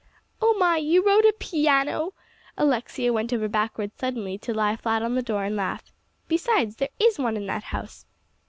"Oh, my! you wrote a piano!" Alexia went over backward suddenly to lie flat on the floor and laugh. "Besides, there is one in that house."